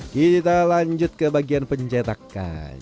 kita lanjut ke bagian pencetakan